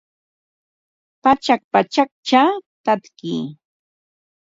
Pachak pachakcha tatki